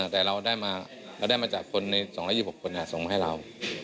แต่เราได้มาจากคนใน๒๒๖คนส่งมาให้เรา